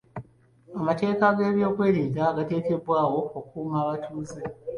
Amateeka g'ebyokwerinda gaateekebwawo okukuuma abatuuze.